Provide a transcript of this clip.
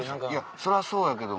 そりゃそうやけども。